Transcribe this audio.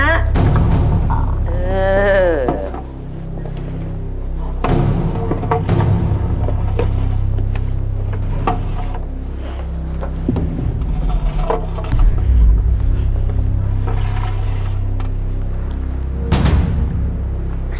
เออ